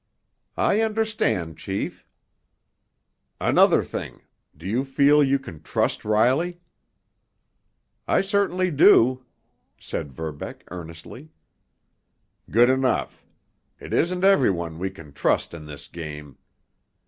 "I understand, chief." "Another thing. Do you feel you can trust Riley?" "I certainly do," said Verbeck earnestly. "Good enough! It isn't every one we can trust in this game.